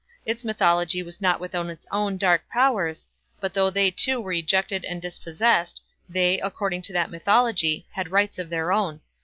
Its mythology was not without its own dark powers; but though they too were ejected and dispossessed, they, according to that mythology, had rights of their own.